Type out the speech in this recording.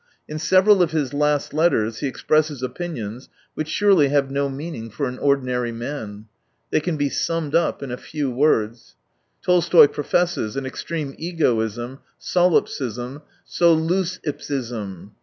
In several of his last letters he expresses opinions which surely have no meaning for an ordinary man. They can be summed up in a few words. Tolstoy pro fesses an extreme egoism, soUipsism, solus ipse ism.